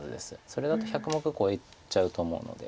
それだと１００目超えちゃうと思うので。